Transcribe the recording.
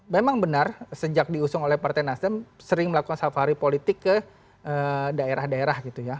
memang benar sejak diusung oleh partai nasdem sering melakukan safari politik ke daerah daerah gitu ya